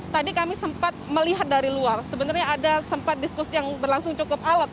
tadi kami sempat melihat dari luar sebenarnya ada sempat diskusi yang berlangsung cukup alat